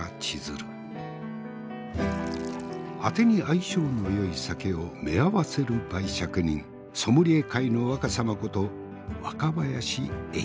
あてに相性のよい酒を娶せる媒酌人ソムリエ界の若さまこと若林英司。